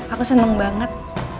aku seneng banget